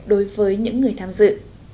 đối với những người tham dự